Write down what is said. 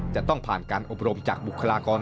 จะต้องผ่านการอบรมจากบุคลากร